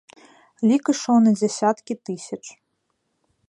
Лік ішоў на дзесяткі тысяч.